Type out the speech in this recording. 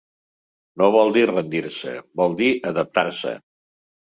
No vol dir rendir-se, vol dir adaptar-se.